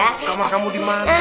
nama kamu dimana